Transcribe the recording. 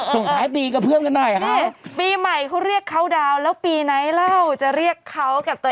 สงท้ายปีกระเพื้อมกันหน่อยค่ะ